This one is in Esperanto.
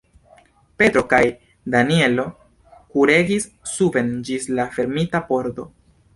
Petro kaj Danjelo kuregis suben ĝis la fermita pordo.